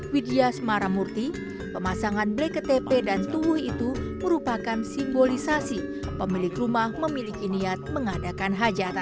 widya semaramurti pemasangan blai ktp dan tubuh itu merupakan simbolisasi pemilik rumah memiliki niat mengadakan hajatan